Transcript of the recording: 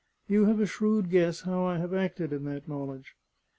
You have a shrewd guess how I have acted in that knowledge.